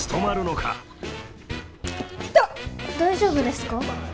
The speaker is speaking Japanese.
大丈夫ですか？